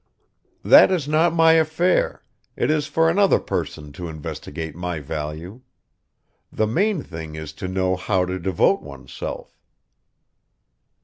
"That is not my affair; it is for another person to investigate my value. The main thing is to know how to devote oneself."